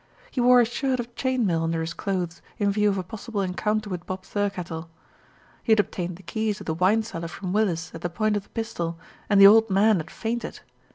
He wore a shirt of chain mail under his clothes, in view of a possible encounter with Bob Thirkettle. He had obtained the keys of the wine cellar from Willis at the point of the pistol, and the old man. had fainted.